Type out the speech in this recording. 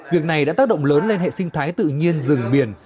việc này đã tác động lớn lên hệ sinh thái tự nhiên rừng biển